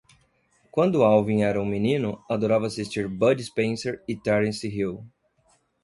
Quando Alvin era um menino, adorava assistir Bud Spencer e Terence Hill.